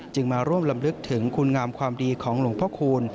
มาร่วมลำลึกถึงคุณงามความดีของหลวงพ่อคูณ